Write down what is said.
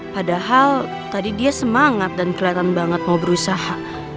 padahal tadi dia semangat dan kelihatan banget mau berusaha